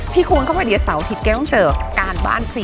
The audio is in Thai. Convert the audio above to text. คูณเข้าไปเดี๋ยวเสาร์อาทิตย์แกต้องเจอการบ้านสิ